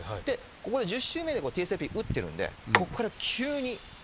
１０週目でＴＳＬＰ打ってるんでここから急に。